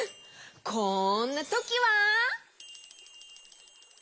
こんなときは。